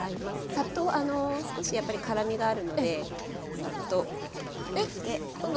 さっと少しやっぱり辛みがあるのでさっとお水で洗います。